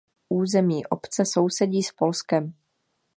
Území obce sousedí s Polskem.